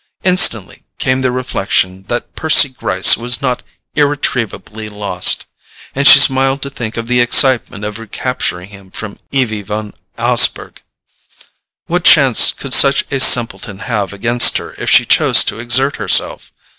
Instantly came the reflection that Percy Gryce was not irretrievably lost; and she smiled to think of the excitement of recapturing him from Evie Van Osburgh. What chance could such a simpleton have against her if she chose to exert herself?